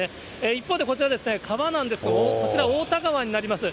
一方で、こちら、川なんですけれども、こちら、太田川になります。